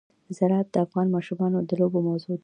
زراعت د افغان ماشومانو د لوبو موضوع ده.